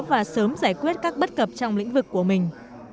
và sớm giải quyết các bất cập trong lĩnh vực của mình